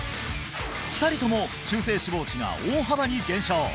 ２人とも中性脂肪値が大幅に減少